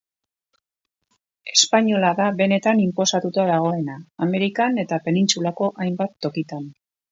Espainola da benetan inposatuta dagoena, Amerikan eta penintsulako hainbat tokitan.